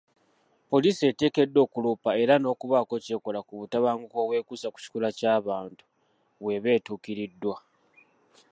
Poliisi eteekeddwa okuloopa era n'okubaako kyekola ku butabanguko obwekuusa ku kikula ky'abantu bweba etuukiriddwa.